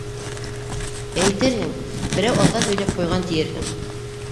Әйтерһең, берәү алдан һөйләп ҡуйған тиерһең.